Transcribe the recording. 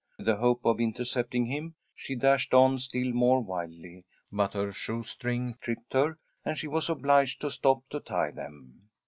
With the hope of intercepting him, she dashed on still more wildly, but her shoe strings tripped her, and she was obliged to stop to tie them.